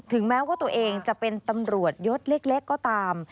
แม้ว่าตัวเองจะเป็นตำรวจยศเล็กก็ตาม